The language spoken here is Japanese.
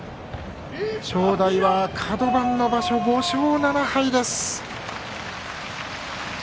正代はカド番の場所５勝７敗です。